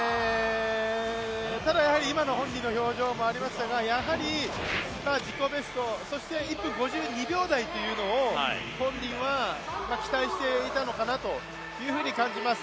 ただ、やはり今の本人の表情もありましたがやはり自己ベスト、そして１分５２秒台というのを本人は期待していたのかなというふうに感じます。